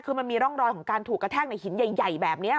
คือมันมีร่องรอยของการถูกกระแทกในหินใหญ่แบบนี้